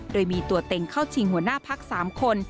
โดยมีตัวเต็งเข้าชิงหัวหน้าพัก๓คน